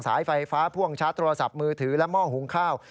ไฟฟ้าพ่วงชาร์จโทรศัพท์มือถือและหม้อหุงข้าว